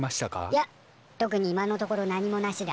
いや特に今のところ何もなしだ。